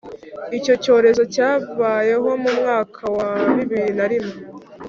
icyo cyorezo cyabayeho mu myaka ya bibiri narimwe